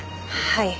はい。